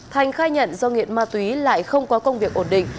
thành khai nhận do nghiện ma túy lại không có công việc ổn định